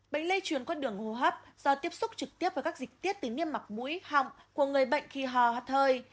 bệnh lây chuyển có đường hô hấp do tiếp xúc trực tiếp với các dịch tiết tính niêm mặc mũi họng của người bệnh khi hò hắt hơi